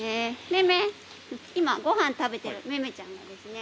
今、ごはんを食べているめめちゃんですね。